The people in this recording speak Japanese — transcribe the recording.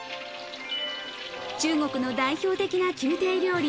中国の代表的な宮廷料理